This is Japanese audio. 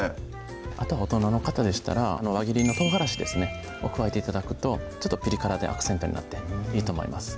あと大人の方でしたら輪切りのとうがらしですねを加えて頂くとピリ辛でアクセントになっていいと思います